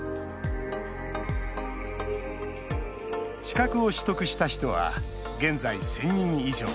資格を取得した人は現在１０００人以上。